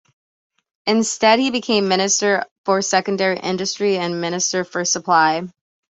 Instead, he became Minister for Secondary Industry and Minister for Supply.